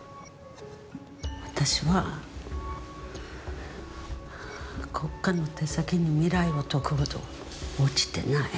私は国家の手先に未来を説くほど落ちてない。